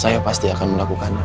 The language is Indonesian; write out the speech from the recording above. saya pasti akan melakukannya